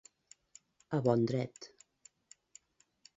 A bon dret.